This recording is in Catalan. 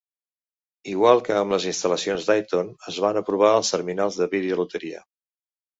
Igual que amb les instal·lacions Dayton, es van aprovar els terminals de vídeo loteria.